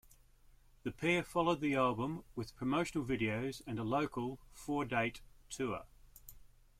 The pair followed the album with promotional videos and a local four-date tour.